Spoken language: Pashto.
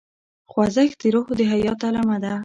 خوځښت د روح د حیات علامه ده.